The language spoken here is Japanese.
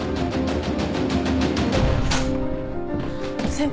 先輩。